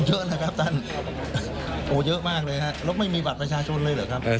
เยอะนะครับท่านโอ้เยอะมากเลยฮะแล้วไม่มีบัตรประชาชนเลยเหรอครับ